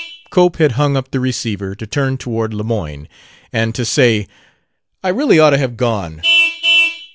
Cope had hung up the receiver to turn toward Lemoyne and to say: "I really ought to have gone."